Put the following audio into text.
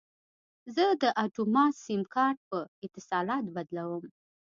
زه د اټوما سیم کارت په اتصالات بدلوم.